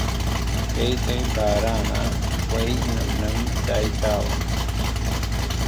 دهی دهی بارانه، وهی نم نم دای داوه